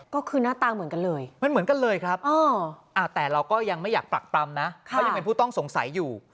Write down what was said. ก็คือหน้าตาเหมือนกันเลยมันเหมือนกันเลยครับแต่เราก็ยังไม่อยากปรักปรำนะเขายังเป็นผู้ต้องสงสัยอยู่